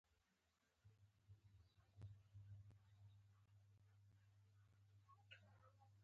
په خبرو اترو کې د لنډې کیسې کول.